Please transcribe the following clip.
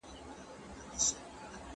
هغه مالونه چې هند ته تلل بند شول.